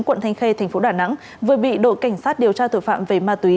quận thanh khê thành phố đà nẵng vừa bị đội cảnh sát điều tra tội phạm về ma túy